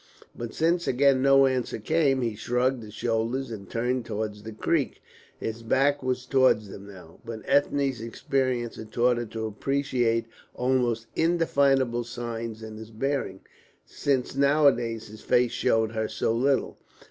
But since again no answer came, he shrugged his shoulders and turned towards the creek. His back was towards them now, but Ethne's experience had taught her to appreciate almost indefinable signs in his bearing, since nowadays his face showed her so little.